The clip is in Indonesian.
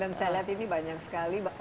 dan saya lihat ini banyak sekali